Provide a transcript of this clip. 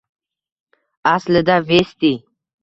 Aslida, Vesti